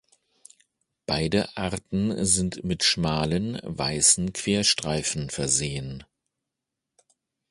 Beide Arten sind mit schmalen, weißen Querstreifen versehen.